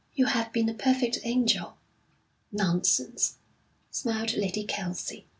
'You have been a perfect angel.' 'Nonsense,' smiled Lady Kelsey.